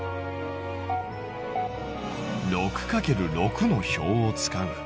６×６の表を使う。